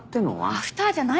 アフターじゃないです。